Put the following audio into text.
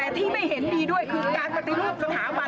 ที่ทำให้รู้สึกว่ามัน